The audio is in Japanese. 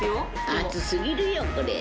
厚すぎるよ、これ。